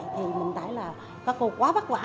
thì mình thấy là các cô quá vất vả